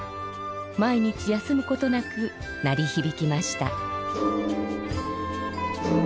毎日休むことなく鳴りひびきました。